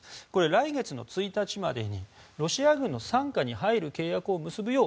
来月１日までにロシア軍の傘下に入る契約を結ぶよう